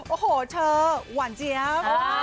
โอ้โหเธอหวานเจี๊ยบ